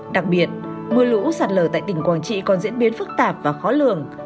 đặc biệt mưa lũ sạt lở tại tỉnh quảng trị còn diễn biến phức tạp và khó lường